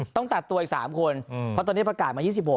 ต้องตัดตัวอีก๓คนเพราะตอนนี้ประกาศมา๒๖